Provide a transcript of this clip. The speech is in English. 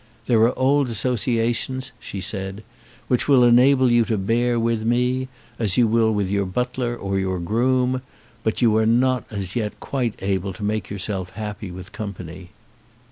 "There are old associations," she said, "which will enable you to bear with me as you will with your butler or your groom, but you are not as yet quite able to make yourself happy with company."